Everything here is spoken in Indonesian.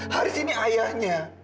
haris ini ayahnya